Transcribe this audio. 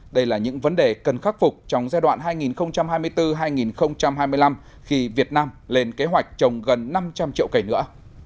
đây là những vấn đề cần khắc phục trong giai đoạn hai nghìn hai mươi bốn hai nghìn hai mươi năm khi việt nam lên kế hoạch trồng gần năm trăm linh triệu cây nữa